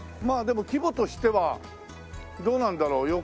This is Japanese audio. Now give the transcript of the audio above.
まあでも規模としてはどうなんだろう？